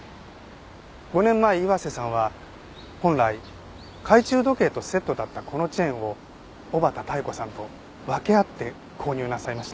５年前岩瀬さんは本来懐中時計とセットだったこのチェーンを小畠妙子さんと分け合って購入なさいました。